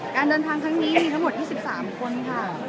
การเดินทางครั้งนี้มีทั้งหมด๒๓คนค่ะ